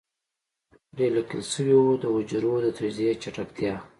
پرې ليکل شوي وو د حجرو د تجزيې چټکتيا.